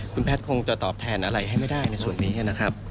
คุณแพทย์คงจะตอบแทนอะไรให้ไม่ได้ในส่วนนี้นะครับ